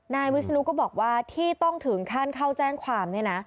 นายวิศนุก็บอกว่าที่ต้องถึงขั้นเข้าแจ้งความเนี่ยนะ